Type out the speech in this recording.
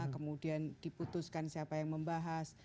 kemudian diputuskan siapa yang membahas